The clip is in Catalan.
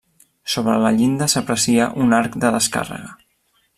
Sobre la llinda s’aprecia un arc de descàrrega.